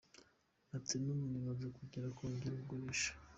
Ati “N’ubu nibaze tugiye kongera kugurisha.